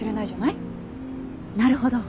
なるほど。